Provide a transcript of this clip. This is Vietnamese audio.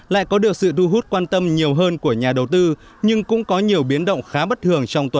lại có được sự thu hút quan tâm nhiều hơn của nhà đầu tư nhưng cũng có nhiều biến động khá bất thường